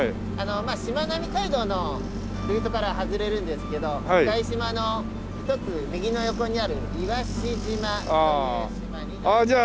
しまなみ海道のルートからは外れるんですけど向島の一つ右の横にある岩子島という島になります。